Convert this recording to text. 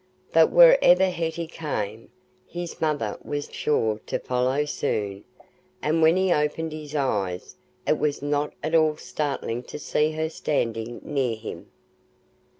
But wherever Hetty came, his mother was sure to follow soon; and when he opened his eyes, it was not at all startling to see her standing near him.